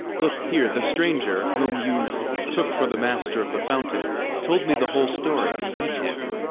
"Look here, the stranger, whom you took for the master of the fountain, told me the whole story in detail.